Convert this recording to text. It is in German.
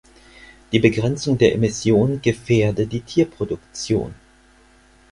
Die Begrenzung der Emission gefährde die Tierproduktion.